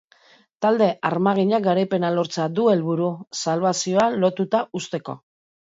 Talde armaginak garaipena lortzea du helburu, salbazioa lotuta uzteko.